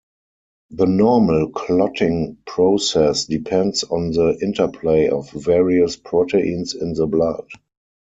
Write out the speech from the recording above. The normal clotting process depends on the interplay of various proteins in the blood.